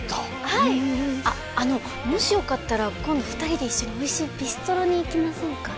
はいあのもしよかったら今度２人で一緒においしいビストロに行きませんか？